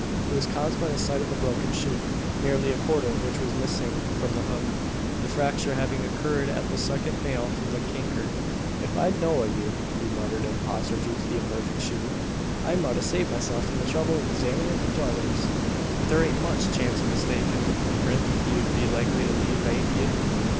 It was caused by the sight of a broken shoe nearly a quarter of which was missing from the hoof, the fracture having occurred at the second nail from the canker. "Ef I'd know'd o' you," he muttered in apostrophe to the imperfect shoe, "I mout a' saved myself the trouble o' examinin' the tothers. Thur ain't much chance o' mistakin' the print you'd be likely to leave ahint ye.